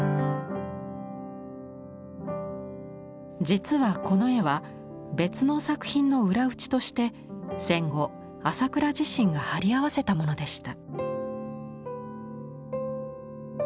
実はこの絵は別の作品の裏打ちとして戦後朝倉自身がはり合わせたものでした。